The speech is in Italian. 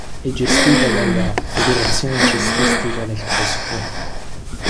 È gestita dalla "Federazione cestistica del Kosovo".